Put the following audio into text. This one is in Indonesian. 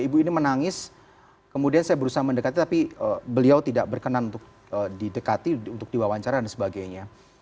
ibu ini menangis kemudian saya berusaha mendekati tapi beliau tidak berkenan untuk didekati untuk diwawancara dan sebagainya